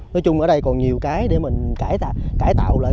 nói chung ở đây còn nhiều cái để mình cải tạo lại